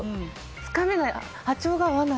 つかめない。